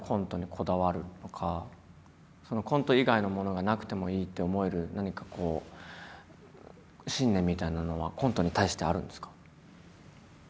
コント以外のものがなくてもいいって思える何かこう信念みたいなのはコントに対してあるんですか？